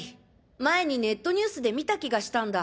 前にネットニュースで見た気がしたんだ。